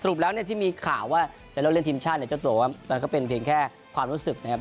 แล้วเนี่ยที่มีข่าวว่าจะเลือกเล่นทีมชาติเนี่ยเจ้าตัวว่ามันก็เป็นเพียงแค่ความรู้สึกนะครับ